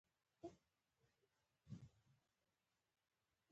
پاسیني وویل: هو ولې نه، خو برساګلیریايان ټول بې عقلان دي.